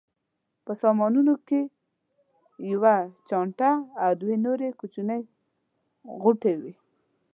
په سامانونو کې یوه چانټه او دوه نورې کوچنۍ غوټې وې.